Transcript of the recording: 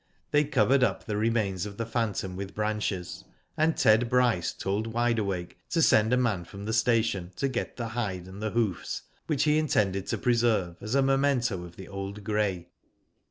They covered up the remains of the phantom with branches, and Ted Bryce told Wide Awake to send a man from the station to get the hide and the hoofs, which he intended to preserve as a memento of the old grey.